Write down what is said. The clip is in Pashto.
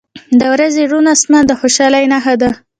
• د ورځې روڼ آسمان د خوشحالۍ نښه ده.